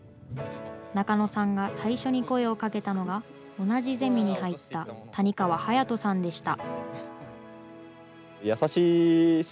中野さんが最初に声をかけたのが同じゼミに入った谷川隼人さんでした。